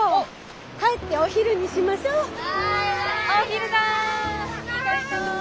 帰ってお昼にしましょ。わい！